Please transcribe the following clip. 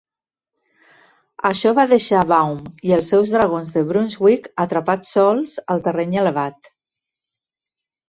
Això va deixar Baum i els seus dragons de Brunswick atrapats sols al terreny elevat.